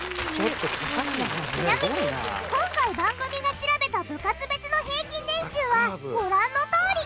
ちなみに今回番組が調べた部活別の平均年収はご覧のとおり。